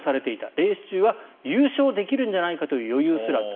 レース中は優勝できるんじゃないかという余裕すらあった。